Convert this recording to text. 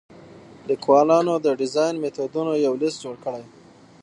لیکوالانو د ډیزاین میتودونو یو لیست جوړ کړی.